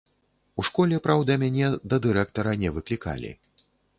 У школе, праўда, мяне да дырэктара не выклікалі.